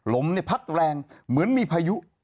ลมพัดแรงเหมือนมีพายุ